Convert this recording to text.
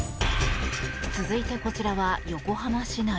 続いて、こちらは横浜市内。